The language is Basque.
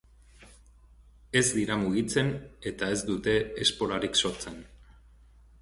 Ez dira mugitzen eta ez dute esporarik sortzen.